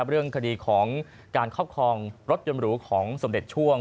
เรื่องคดีของการครอบครองรถยนต์หรูของสมเด็จช่วง